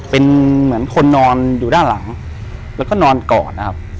เป็นเหมือนคนนอนอยู่ด้านหลังแล้วก็นอนกอดนะครับ